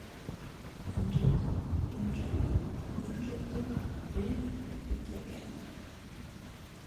அன்றைக்கும் இன்றைக்கும் என்றைக்கும் இளைஞர்களுக்குத் தேவையானது.